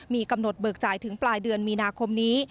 มีกำหนดเบิกจ่ายถึงปลายเดือนมีนาคมนี้